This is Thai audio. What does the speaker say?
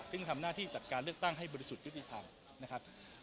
ซึ่งทำหน้าที่จัดการเลือกตั้งให้บริสุทธิ์ยุติธรรมนะครับ